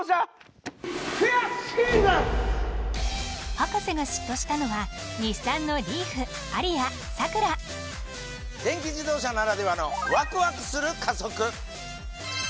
博士が嫉妬したのは電気自動車ならではのワクワクする加速！